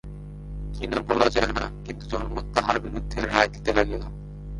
কিনা বলা যায় না, কিন্তু জনমত তাঁহার বিরুদ্ধে রায দিতে লাগিল।